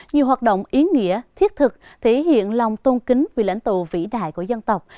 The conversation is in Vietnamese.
nhiều hoạt động ý nghĩa thiết thực thể hiện lòng tôn kính vì lãnh tụ vĩ đại của dân tộc